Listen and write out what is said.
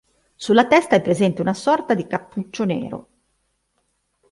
Sulla testa è presente una sorta di cappuccio nero.